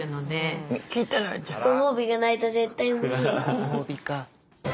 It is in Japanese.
ご褒美か。